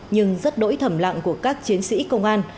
nhưng rất đỗi thẩm lặng của các chiến sĩ công an